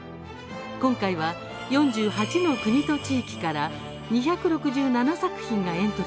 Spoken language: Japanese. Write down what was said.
今回は、４８の国と地域から２６７作品がエントリーしました。